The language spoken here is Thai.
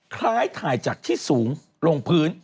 คล้ายถ่ายจากที่สูงลงพื้น